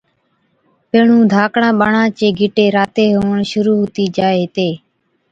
پيهڻُون ڌاڪڙان ٻاڙان چي گِٽي راتي هُوَڻ شرُوع هُتِي جائي هِتي